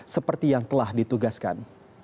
seperti yang telah ditugaskan